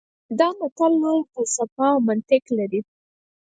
دا متل لویه فلسفه او منطق لري